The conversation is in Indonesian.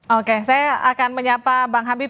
oke saya akan menyapa bang habib